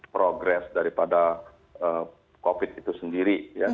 progres daripada covid itu sendiri